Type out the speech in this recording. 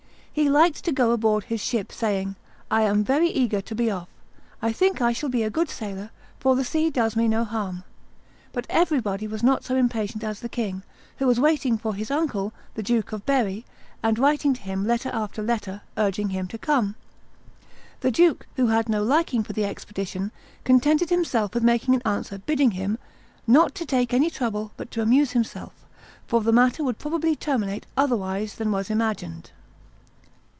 He liked to go aboard his ship, saying, "I am very eager to be off; I think I shall be a good sailor, for the sea does me no harm." But everybody was not so impatient as the king, who was waiting for his uncle, the Duke of Berry, and writing to him letter after letter, urging him to come. The duke, who had no liking for the expedition, contented himself with making an answer bidding him "not to take any trouble, but to amuse himself, for the matter would probably terminate otherwise than was imagined."